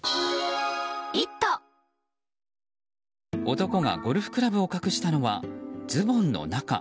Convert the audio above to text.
男がゴルフクラブを隠したのはズボンの中。